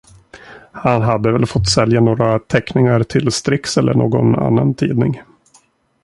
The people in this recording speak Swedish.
Han hade väl fått sälja några teckningar till Strix eller någon annan tidning.